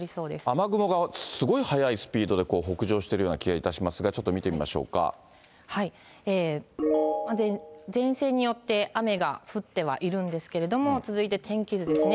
雨雲がすごい速いスピードで北上しているような気がいたしま前線によって雨が降ってはいるんですけれども、続いて、天気図ですね。